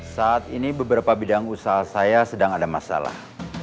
saat ini beberapa bidang usaha saya sedang ada masalah